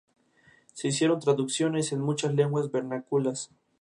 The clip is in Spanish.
Está lleno de felices ocurrencias y de encanto ―"un encantador", lo llamaba Zola―.